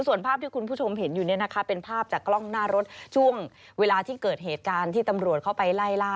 ส่วนภาพที่คุณผู้ชมเห็นอยู่เนี่ยนะคะเป็นภาพจากกล้องหน้ารถช่วงเวลาที่เกิดเหตุการณ์ที่ตำรวจเข้าไปไล่ล่า